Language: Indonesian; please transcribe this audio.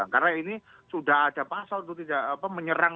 karena ini sudah ada pasal menyerang